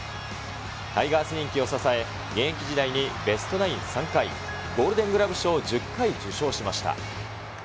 タイガース人気を支え、現役時代にベストナイン３回、ゴールデン・グラブ賞１０回受賞しました。